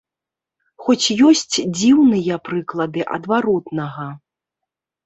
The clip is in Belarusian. Хоць ёсць дзіўныя прыклады адваротнага.